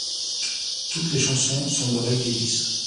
Toutes les chansons sont de Ray Davies.